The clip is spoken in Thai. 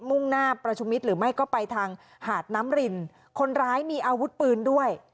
มุ่งหน้าประชุมมิตรหรือไม่ก็ไปทางหาดน้ำรินคนร้ายมีอาวุธปืนด้วย